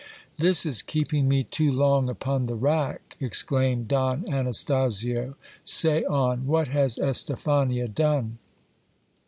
This is keeping me too long upon the rack, exclaimed Don Anastasio : say on, what has Estephania done